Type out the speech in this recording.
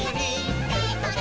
それ？